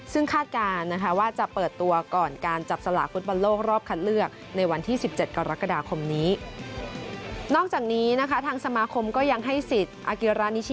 ซึ่งคาดการณ์นะคะว่าจะเปิดตัวก่อนการจับสลากฟุตบอลโลกรอบคัดเลือกในวันที่๑๗กรกฎาคมนี้